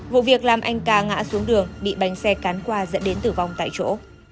vụ việc làm anh ca ngã xuống đường bị bánh xe cán qua dẫn đến tử vong tại chỗ